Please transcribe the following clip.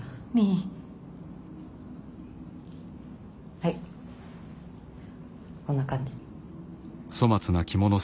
はいこんな感じ。